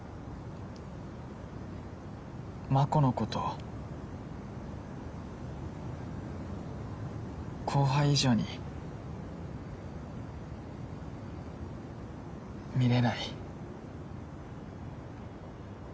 真心の事後輩以上に見れない。